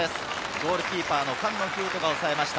ゴールキーパーの菅野颯人がおさえました。